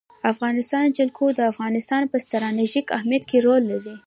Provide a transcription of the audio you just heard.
د افغانستان جلکو د افغانستان په ستراتیژیک اهمیت کې رول لري.